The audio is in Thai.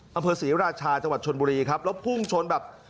บรรพฤษศรีราชาชวัติชนบุรีครับ